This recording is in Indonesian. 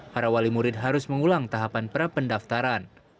para wali murid harus mengulang tahapan prapendaftaran